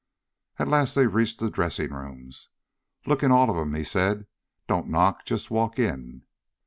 At last they reached the dressing rooms. "Look in all of 'em," he said. "Don't knock. Just walk in."